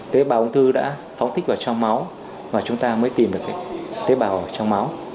tế bào ung thư đã phóng tích vào trong máu và chúng ta mới tìm được tế bào trong máu